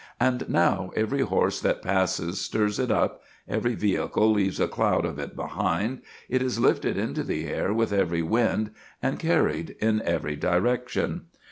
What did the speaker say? And now every horse that passes stirs it up, every vehicle leaves a cloud of it behind; it is lifted into the air with every wind and carried in every direction.